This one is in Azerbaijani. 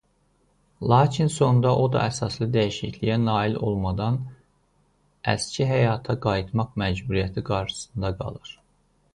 Lakin sonda o da əsaslı dəyişikliyə nail olmadan əski həyata qayıtmaq məcburiyyəti qarşısında qalırdı.